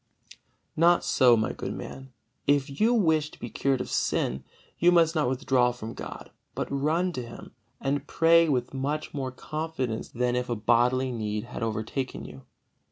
Not so, my good man! If you wish to be cured of sin, you must not withdraw from God, but run to Him, and pray with much more confidence than if a bodily need had overtaken you.